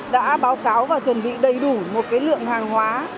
đã báo cáo và chuẩn bị đầy đủ một lượng hàng hóa